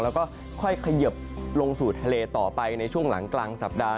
แล้วก็ค่อยเขยิบลงสู่ทะเลต่อไปในช่วงหลังกลางสัปดาห